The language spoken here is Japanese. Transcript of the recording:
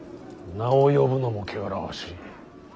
名を呼ぶのも汚らわしい。